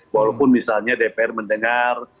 walaupun misalnya dpr mendengar